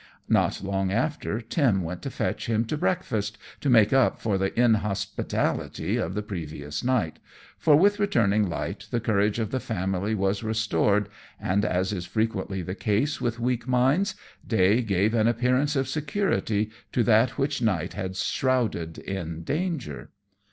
Not long after, Tim went to fetch him to breakfast, to make up for the inhospitality of the previous night; for with returning light the courage of the family was restored, and, as is frequently the case with weak minds, day gave an appearance of security to that which night had shrouded in danger.